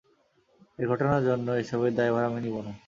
এর ঘটনার জন্য এসবের দায়ভার আমি নিবো না।